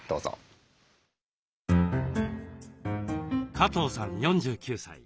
加藤さん４９歳。